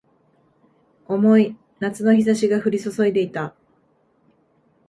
重い夏の日差しが降り注いでいた